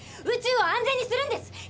宇宙を安全にするんです！